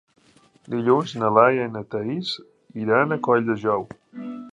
Dilluns na Laia i na Thaís iran a Colldejou.